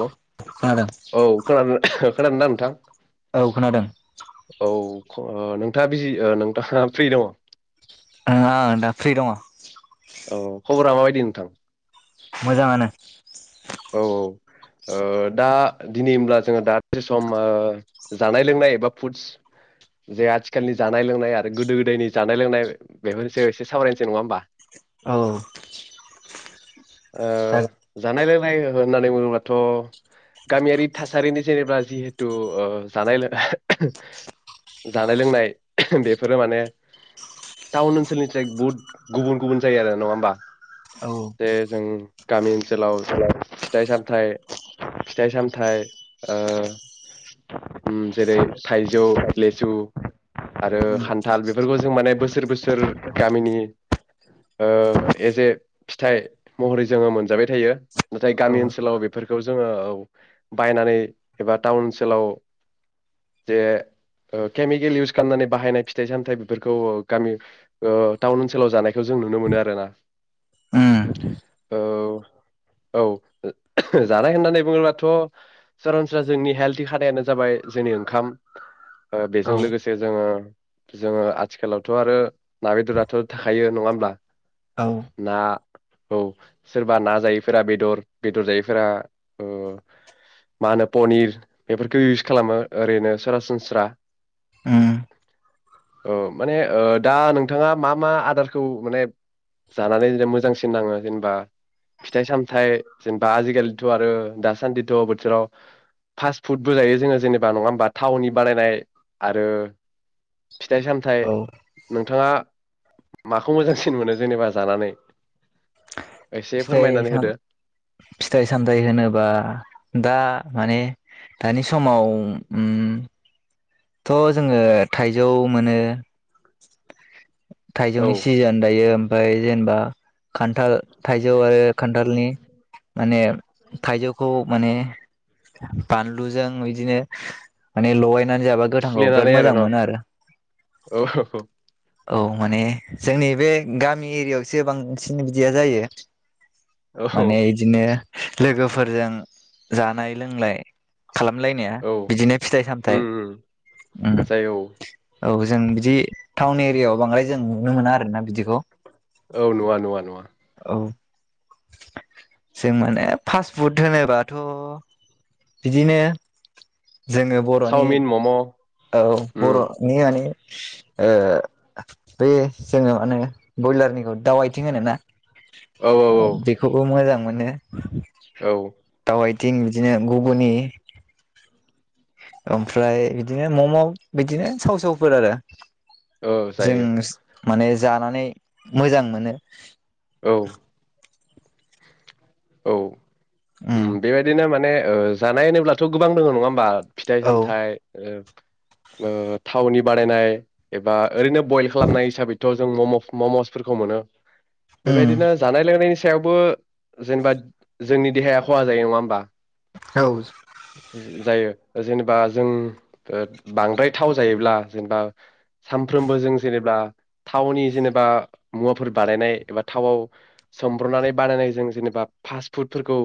औ खोनादों औ खोना खोनादों ना नोंथां? औ खोनादों। अ नोंथाङा बिजि ओ नोंथाङा फ्रि दङ। ओ आं दा फ्रि दङ। अ खबरा माबायदि नोंथां? मोजाङानो। औ ओ दा दिनै होमब्ला जोङो दासे सम जानाय लोंनाय एबा फुडस जे आथिखालनि जानाय लोंनाय आरो गोदो गोदायनि जानाय लोंनाय बेफोरसो एसे सावरायनोसै नङा होमबा। औ ओ जानाय लोंनाय होननानै बुङोबाथ गामियारि थासारिनि जेनेबा जिहेथु ओ जानाय लोंनाय जानाय लोंनाय बेफोरो माने टाउन ओनसोलनिस्राय गुबन गुबुन जायो आरो नङा होमबा औ जे जों गामि ओनसोलाव फिथाइ सामथाय फिथाइ सामथाय ओ उम जेरै थाइजौ लेसु आरो उम खान्थाल बेफोरखौ जों माने बोसोर बोसोर गामिनि ओ एजे फिथाइ महरै जोङो मोनजाबाय थायो नाथाय गामि ओनसोलाव बेफोरखौ जोङो बायनानै एबा टाउन ओनसोलाव जे केमिकेल इउस खालामनानै बाहायनाय फिथाइ सामथाइ बेफोरखौ गामि ओ टाउन ओनसोलाव जानाय खौ जों नुनो मोनो आरोना औ औ जानाय होननानै बुङोबाथ सरसनस्रा जोंनि हेल्थ खानायानो जाबाय जोंनि ओंखाम। ओ बेजों औ लोगोसे जोङो जोङो आथिखालावथ आरो ना बेदराथ थाखायो। नङा होमब्ला? औ ना औ सोरबा ना जायैफोरा बेदर बेदर जायैफोरा उम मा होनो पनिर बेफोरखौ इउस खालामो ओरैनो सरासनस्रा उम औ माने दा नोंथाङा मा मा आदार खौ माने जानानै जेनेब मोजांसिन नाङो जेनेबा फिथाइ सामथाइ जेनेबा आजिखालिथ आरो दासान्दिथ बोथोराव फास‌फुदबो जायो जोङो जेनेबा नङा होमबा थावनि बानायनाय आरो फिथाइ सामथाय औ नोंथाङा माखौ मोजांसिन मोनो जेनेबा जानानै? एसे फिथाइ फोरमायनानै साम होदो फिथाइ सामथायाइ होनोब्ला दा माने दानि समाव उम थ जोङो थाइजौ मोनो औ थाइजौनि सिजोन दायो ओमफ्राय जेनेबा [unintelligible] खान्थाल थाइजौ आरो खान्थालनि माने थाइजौखौ माने बानलुजों बिदिनो मान लगायनानै जाबा गोथांखौ बिराद थुफ्लेनानै आरो मोजां न मोनो औ। औ माने जोंनि बे गामि एरियायावसो बांसिन बिदिया जायो। औ माने दिनो लोगोफोरजों जानाय लोंलाय खालामलायनाया औ बिदिनो फिथाइ सामथाइ उम उम उम जायो औ। औ जों बिदि टाउन एरियायाव बांद्राय जों नुनो मोना आरो ना बिदिखौ। औ नुवा नुवा नुवा। औ जों माने फास्ट फुड होनोबाथ' बिदिनो जोङो बर'नि चावमिन मम' उम औ बर'नि मे ओ बे जोङो माने बयलारनिखौ दाउ आथिं होनो ना। औ औ बेखौबो मोजां मोनो। औ थं बिदिनो गुबुननि ओमफ्राय बिदिनो मम' बिदिनो साव सावफोर आरो। औ जों जायो माने जानानै मोजां मोनो। औ औ उम बेबायदिनो माने ओ जानाय होनोब्लाथ' गोबां दोङ नङा होमबा? फिथाइ औ सामथाइ ओ थावनि बानायनाय एबा ओरैनो बयल खालामनाय हिसाबैथ' जों मम'सफोरखौ मोनो। उम बेबायदिनो जानाय लोंनायनि सायावबो जेनेबा जोंनि देहाया खहा जायो नङा होमबा। औ ज-जायो जेनेबा जों बांद्राय थाव जायोब्ला जेनेबा सानफ्रोमबो जों जेनेबा थावनि जेनेबा मुवाफोर बानायनाय एबा थावआव सोमब्रबनानै बानायनाय जों जेनेबा फास्ट फुडफोरखौ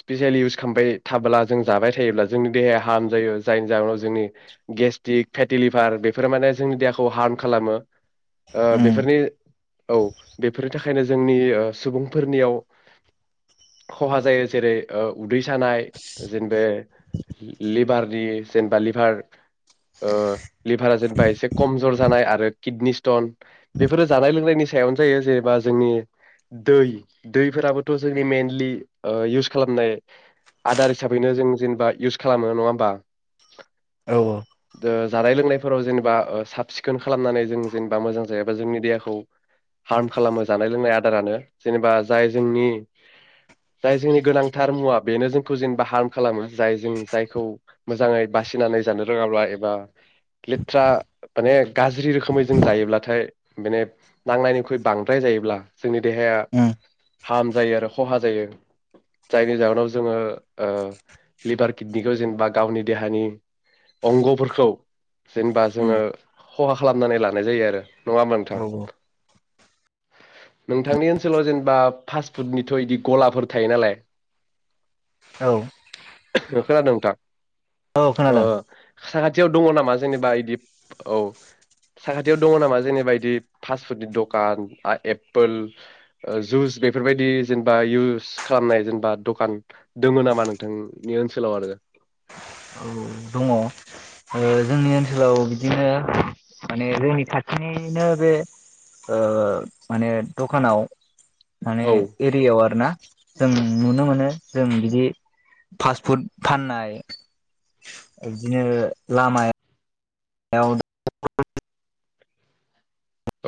स्पेसियलि इउस खालामबाय थाबोला जों जाबाय थायोब्ला जोंनि देहाया हार्म जायो जायनि जाहोनाव जोंनि गेस्टिक फेटिलिभार बेफोर माने जोंनि देहाखौ हार्म खालामो। ओ उम बेफोरनि औ बेफोरनि नि थाखायनो जोंनि सुबुंफोरनियाव खहा जायो जेरै ओ उदै सानाय जेनेबा लिभारनि जेनेबा लिभार ओ लिभारा जेनब एसे कम जर जानाय आरो किडनि स्टन बेफोरो जानाय लोंनायनि सायावनो जायो जेनेबा जोंनि दै दै फोराबो थ' जोंनि मइेनलि ओ इउस खालामनाय आदार हिसाबैनो जों जेनेबा इउस खालामो नङा होमबा औ औ ओ जानाय लोंनायफोराव जेनेबा ओ साब सिखोन खालामनानै जों जेनबा मोजां जायाबा जोंनि देहाखौ हार्म खालामो जानाय लोंनाय आदारानो जेनेबा जाय जोंनि जाय जोंनि गोनांथार मुवा बेनो जोंखौ जेनेबा हार्म खालामो जाय जों जायखौ मोजाङै बासिनानै जानो रोङाब्ला एबा लेथ्रा माने गाज्रि रोखोमै जों जायोब्लाथाय माने नांनायनिख्रुइ बांद्राय जायोब्ला जोंनि देहाया उम हाम जायो आरो खहा जायो जायनि जाहोनाव जोङो ओ लिभार किडनिखौ जेनबा गावनि देहानि अंग'फोरखौ जेनबा उम जोङो खहा खालामनानै लानाय जायो आरो। नङा होमबा नोंथां? औ नोंथांनि ओनसोलाव जेनेबा फासट फुटनिथ' इदि गलाफोर थायो नालाय औ ओ खोनादों। दा औ ओ खोनादों साराद थियाव दङ नामा जेनेबा इदि औ साखाथियाव दङ नामा जेनेबा इदि फास्ट फुडनि दखान आ एप्पोल ओ जुस बे फोरबायदि जेनेबा इउस खालामनाय जेनेबा दखान दङ नामा नोंथांनि ओनसोलाव आरो औ दङ ओ जोंनि ओनसोलाव बिदिनो माने जोंनि खाथिनिनो बे ओ माने दखानाव माने औ एरियाव आरोना जों नुनो मोनो जों बिदि फास्ट फुड फाननाय ओ बिदिनो लामाय [inaudible]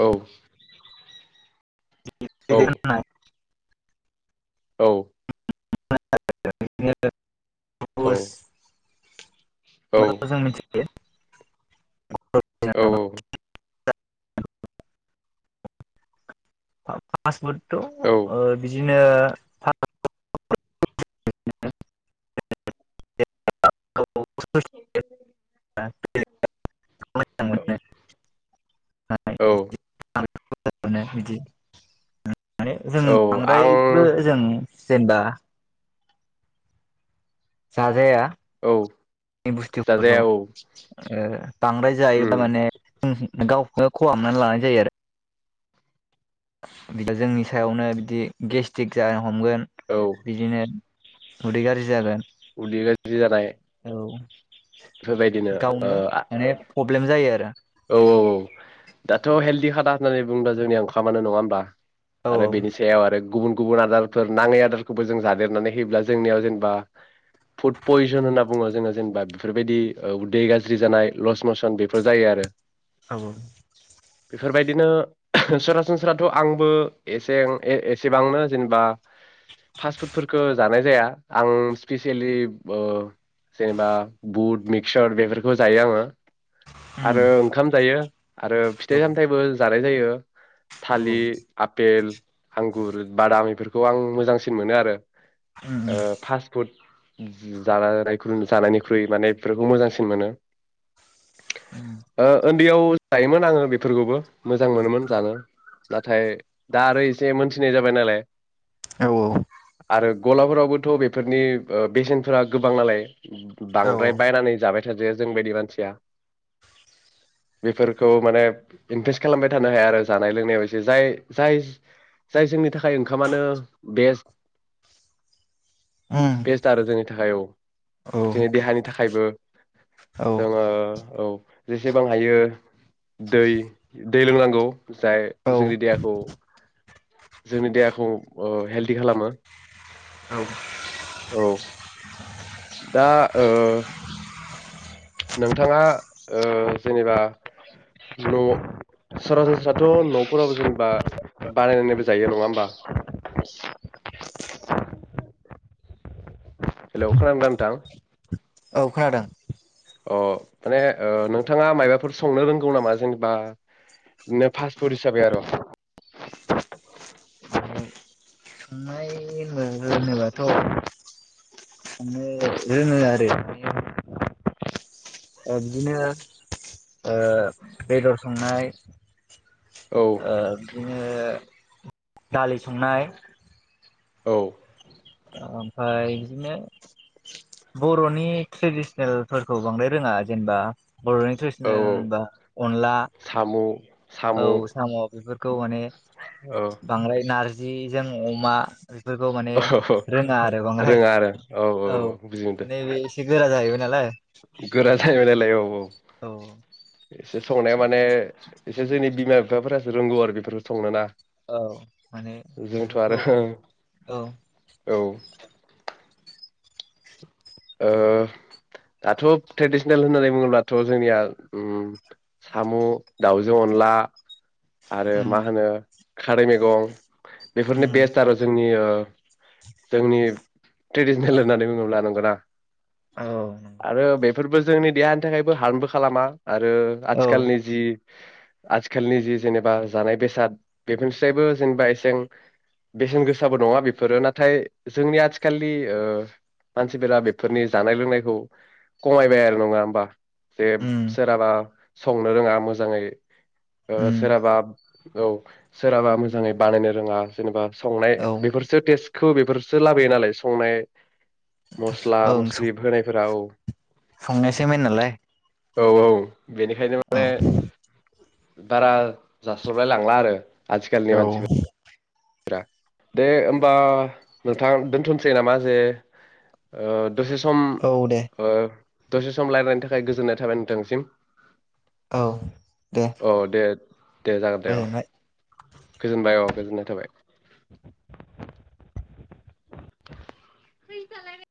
औ औ [inaudible] औ [inaudible] अ [inaudible] औ औ फा फास्ट पुट थ' ओ बिदिनो [inaudible] [inaudible] औ औ [inaudible] बिदि माने जों औ बांद्रायबो आं जों जेनेबा जाजाया औ बुस्थुफोरखौ जाजाया औ ए बांद्राय उम जायोबा माने गावखौनो खहामनानै लानाय जायो आरो जोंनि सायावनो बिदि गेस्टिक जा हमगोन औ बिदिनो उदै गाज्रि जागोन उदि गाज्रि जानाय औ बेफोरबायदिनो ओ गावनो औ माने प्रब्लेम जायो आरो औ दाथ' हेल्दि खाना होननानै बुङोबा जोंनि ओंखामानो नङा होमबा आरो बेनिसायाव आरो गुबुन गुबुन आदारफोर नाङै आदारखौबो जों जादेरनानै होयोब्ला जोंनियाव जेनेबा फुड पयजन होनना बुङो जोङो जेनेबा बेफोरबायदि उदै गाज्रि जानाय लस मसन बेफोर जायो आरो औ बेफोरबायदिनो सरासनस्राथ' आंबो एसे एसेबांनो जेनेबा फास्ट फुडफोरखौ जानाय जाया आं स्पिसियेलि ओ जेनेबा बुट मिक्सर बेफोरखौ जायो आङो आरो ओंखाम जायो आरो औ फिथाइ सामथाइबो जानाय जायो थालि आपेल आंगुर बादम इफोरखौ आं मोजांसिन मोनो आरो ओ फास्ट फुड [unintelligible] ख्रुइ माने बेफोरखौ मोजांसिन मोनो ओ याव जायोमोन आङो बेफोरखौबो मोजां मोनोमोन जानो नाथाय दा आरो एसे मोनथिनाय जाबाय नालाय औ औ आरो गलाफोरावबोथ' बेफोरनि ओ बेसेनफोरा गोबां नालाय बांद्राय उम बायनानै जाबाय थाजाया जोंबायदि मानसिया बेफोरखौ माने इनभेस्ट खालामबाय थानो हाया आरो जानाय लोंनायाव ए जाय जोंनि थाखाय खाइ ओंखामानो बेस्ट बेस्ट आरो जोंनि थाखाय औ औ जोंनि देहानि थाखायबो औ जोङो औ जेसेबां हायो दै दै लोंनांगौ जाय औ जोंनि देहाखौ जोंनि देहाखौ ओ हेलदि खालामो औ औ दा ओ नोंथाङा ओ जेनेबा न' सरासनस्राथ' न'फोराव जेनेबा बानायनायबो जायो नङा होमबा हेल' खोनादोंना नोंथां औ खोनादों अ माने ओ नोंथाङा मायबाफोर संनो रोंगौ नामा जेनेबा फास्ट फुड हिसाबै आरो होनोब्लाथ' रोङो आरो ओ बिदिनो ओ बेदर संनाय औ ओ बिदिनो दालि संनाय औ ओमफ्राय बिदिनो बर'नि ट्रेडिसनेलफोरखौ बांद्राय रोङा जेनेबा बर'नि औ ट्रेडिसनेल होनबा अनला साम' औ साम' बेफोर गौ माने बांद्राय नार जि जों अमा बेफोरखौ माने रोङा आरो बांद्राय रोङा आरो औ बुजि मोनदों माने बे एसे गोरा जाहैबाय नालाय गोरा जाहैबाय नालाय औ औ एसे संनाया माने एसे जोंनि बिमा बिफाफोरासो रोंगौ आरो बेफोरखौ संनो ना औ माने बेफोरखौ औ औ ओ ओ दाथ' ट्रेडिसनेल होननानै बुङोब्लाथ' जोंनिया साम' दावजों अनला आरो मा उम होनो खारै मैगं बेफोरनि उम बेस्ट आरो जोंनि ओ जोंनि ट्रेडिसनेल होननानै बुङोब्ला नंगौना औ नंगौ आरो बे बेफोरबो जोंनि देहानि थाखायबो हार्मबो खालामा आरो औ आथिखालनि जि आथिखालनि जि जेनेबा जानाय बेसाद बेफोरनिफ्रायबो जेनेबा एसे बेसेन गोसाबो नङा बेफोरो नाथाय जोंनि आथिखालनि ओ मानसिफोरा बे बेफोरनि जानाय लोंनायखौ खमायबाय आरो नङा होमबा जे उम सोराबा संनो रोङा मोजाङै ओ उम सोराबा औ सोरहाबा मोजाङै बानायनो रोङा जेनेबा संनाय औ बेफोरसो टेस्ट खौ बेफोरसो लाबोयो नालाय संनाय मस आ मस्लि होनाय राव संनायासो मेन नालाय औ औ बेनिखायनो औ माने बारा जास्लाबलाय लांला आरो आजिखालिनि औ मानसि दे होमबा नोंथां दोनथनोसै नामा जे ओ दसे सम औ दे ओ दसे सम रायलायनायनि थाखाय गोजोननाय थाबाय नोंथांसिम। औ दे औ दे दे जागोन दे अ गोजोनबाय गोजोनबाय औ । गोजोन्नाय थाबाय। बेै जालाय